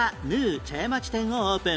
茶屋町店をオープン